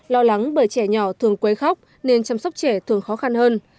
lo lắng bởi trẻ nhỏ thường quấy khóc nên chăm sóc trẻ thường khó khăn hơn